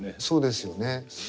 そうですよね。